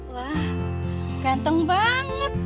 wah ganteng banget